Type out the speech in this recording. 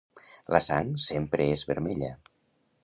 La sang sempre és vermella.